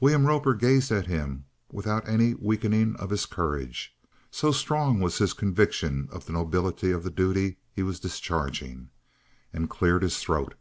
William Roper gazed at him without any weakening of his courage, so strong was his conviction of the nobility of the duty he was discharging, and cleared his throat.